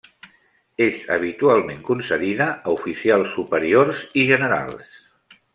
És habitualment concedida a oficials superiors i generals.